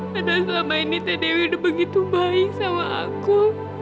karena selama ini teh dewi udah begitu baik sama aku